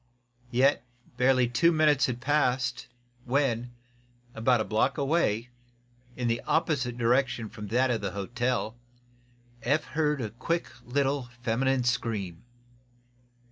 Yet barely two minutes had passed when, about a block away, in the opposite direction from that of the hotel, Eph heard a quick little feminine scream.